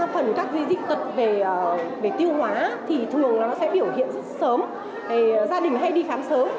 phần các di tật về tiêu hóa thì thường nó sẽ biểu hiện rất sớm gia đình hay đi khám sớm